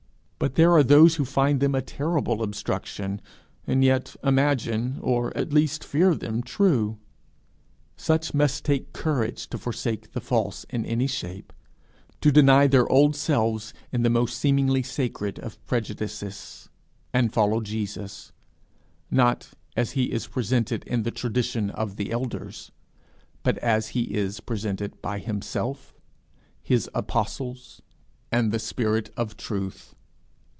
But there are those who find them a terrible obstruction, and yet imagine, or at least fear them true: such must take courage to forsake the false in any shape, to deny their old selves in the most seemingly sacred of prejudices, and follow Jesus, not as he is presented in the tradition of the elders, but as he is presented by himself, his apostles, and the spirit of truth.